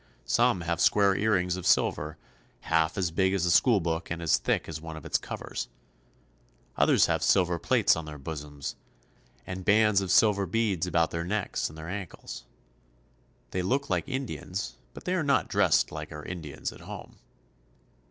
Some have square earrings of silver, half as big as a schoolbook and as thick as one of its covers. Others have silver plates on their bosoms, and I40 CHILE. bands of silver beads about their necks and their ankles. They look like Indians, but they are not dressed like our Indians at home.